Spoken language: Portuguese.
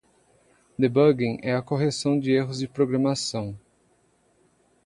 Debugging é a correção de erros de programação.